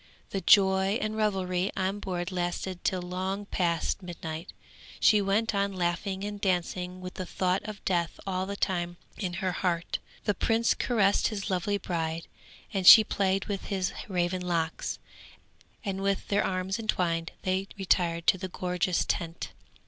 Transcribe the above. The joy and revelry on board lasted till long past midnight; she went on laughing and dancing with the thought of death all the time in her heart. The prince caressed his lovely bride and she played with his raven locks, and with their arms entwined they retired to the gorgeous tent.